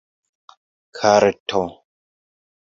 karto